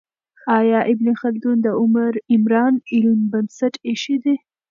آیا ابن خلدون د عمران علم بنسټ ایښی دی؟